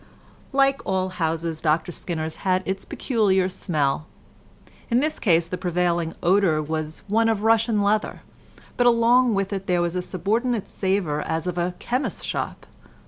Like all houses, Dr Skinner's had its peculiar smell. In this case the prevailing odour was one of Russia leather, but along with it there was a subordinate savour as of a chemist's shop.